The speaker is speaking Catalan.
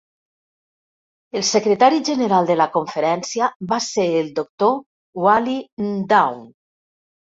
El secretari general de la conferència va ser el doctor Wally N'Dow.